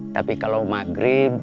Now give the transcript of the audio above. tapi kalau maghrib